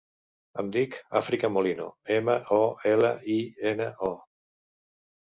Em dic Àfrica Molino: ema, o, ela, i, ena, o.